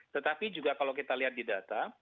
tetapi juga kalau kita lihat di data